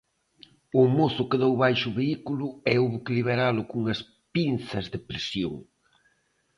O mozo quedou baixo o vehículo e houbo que liberalo cunhas pinzas de presión.